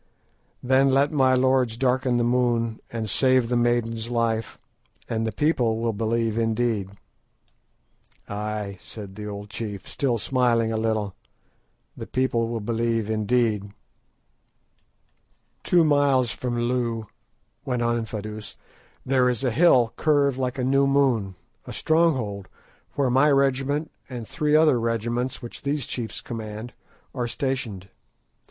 "Then let my lords darken the moon, and save the maiden's life, and the people will believe indeed." "Ay," said the old chief, still smiling a little, "the people will believe indeed." "Two miles from Loo," went on Infadoos, "there is a hill curved like a new moon, a stronghold, where my regiment, and three other regiments which these chiefs command, are stationed.